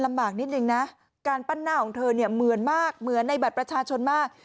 นิดนึงนะการปั้นหน้าของเธอเนี่ยเหมือนมากเหมือนในบัตรประชาชนมาก